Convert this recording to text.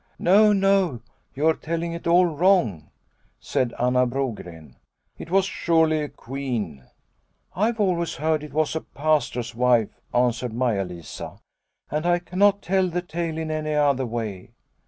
" No, no, you are telling it all wrong," said Anna Brogren. " It was surely a queen." " I have always heard it was a Pastor's wife," answered Maia Lisa, " and I cannot tell the tale in any other way."